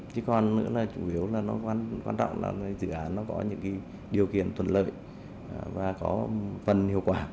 chứ còn nữa là chủ yếu là nó quan trọng là dự án nó có những điều kiện thuận lợi và có phần hiệu quả